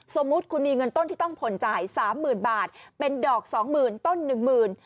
สมมุติคุณมีเงินต้นที่ต้องผ่อนจ่ายสามหมื่นบาทเป็นดอกสองหมื่นต้นหนึ่งหมื่น